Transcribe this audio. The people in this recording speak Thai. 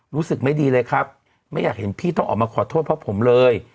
รู้สึกไม่ดีเลยครับไม่อยากเห็นพี่ต้องออกมาขอโทษเพราะผมเลย